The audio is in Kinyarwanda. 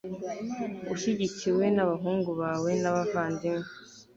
ushyigikiwe n'abahungu bawe n'abavandimwe